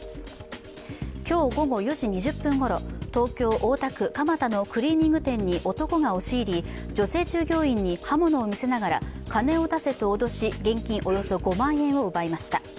今日午後４時２０分ごろ東京・大田区蒲田のクリーニング店に男が押し入り女性従業員に刃物を見せながら金を出せと脅し、現金およそ５万円を奪いました。